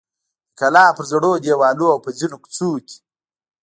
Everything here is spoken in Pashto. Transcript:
د کلا پر زړو دیوالونو او په ځینو کوڅو کې.